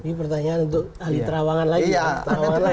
ini pertanyaan untuk ahli terawangan lagi pak soalju